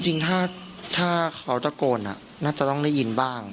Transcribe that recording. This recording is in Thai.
จริงถ้าเขาตะโกนน่าจะต้องได้ยินบ้าง